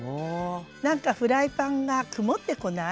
なんかフライパンが曇ってこない？